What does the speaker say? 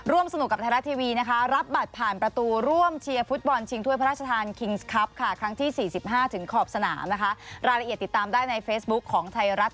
ร่วมสนุกกับไทยรัสทีวีนะคะรับบัตรผ่านประตูร่วมเชียร์ฟุตบอลชิงถ้วยพระราชทาน